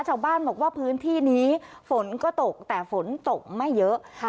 ชาวบ้านบอกว่าพื้นที่นี้ฝนก็ตกแต่ฝนตกไม่เยอะ